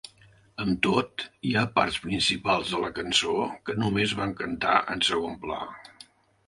Amb tot, hi ha parts principals de la cançó que només van cantar en segon pla.